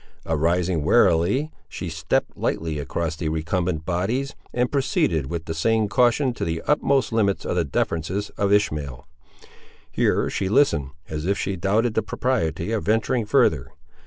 Arising warily she stepped lightly across the recumbent bodies, and proceeded with the same caution to the utmost limits of the defences of Ishmael. Here she listened, as if she doubted the propriety of venturing further.